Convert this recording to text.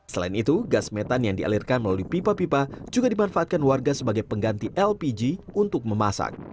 selain itu gas metan yang dialirkan melalui pipa pipa juga dimanfaatkan warga sebagai pengganti lpg untuk memasak